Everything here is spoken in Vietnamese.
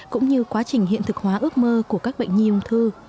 cũng như quá trình hiện thực hóa ước mơ của các bệnh nhi ung thư